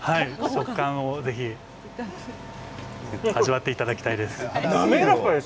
食感もぜひ味わっていただきたいです。